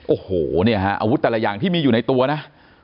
โอ้โหเนี่ยฮะอาวุธแต่ละอย่างที่มีอยู่ในตัวนะ